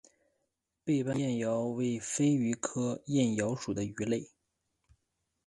背斑燕鳐为飞鱼科燕鳐属的鱼类。